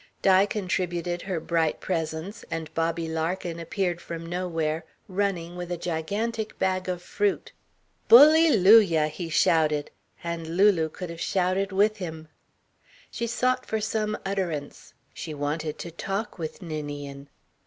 Di contributed her bright presence, and Bobby Larkin appeared from nowhere, running, with a gigantic bag of fruit. "Bullylujah!" he shouted, and Lulu could have shouted with him. She sought for some utterance. She wanted to talk with Ninian.